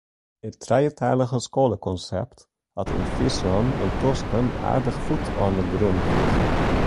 It trijetalige-skoallekonsept hat yn Fryslân yntusken aardich foet oan ’e grûn krigen.